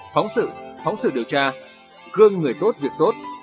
phóng sự phóng sự điều tra gương người tốt việc tốt